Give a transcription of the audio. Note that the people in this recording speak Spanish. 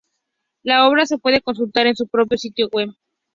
La obra se puede consultar en su propio sitio web.